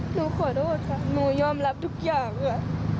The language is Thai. หนูขอโทษค่ะหนูยอมรับทุกอย่างค่ะ